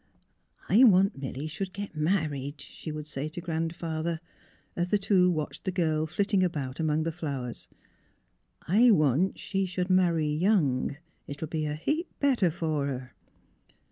*' I want Milly should get married," she would say to Grandfather, as the two watched the girl flitting about among the flowers. '' I want she should marry — young. It'll be a heap better for her."